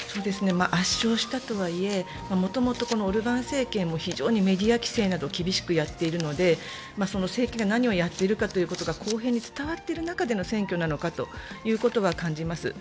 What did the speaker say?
圧勝したとはいえ、もともとオルバン政権も非常にメディア規制などを厳しくやっているので、政権が何をやっているかというのが公平に伝わっている中での選挙なのかということは感じます。